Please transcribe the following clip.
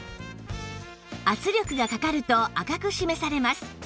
圧力がかかると赤く示されます